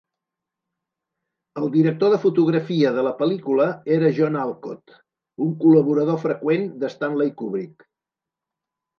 El director de fotografia de la pel·lícula era John Alcott, un col·laborador freqüent de Stanley Kubrick.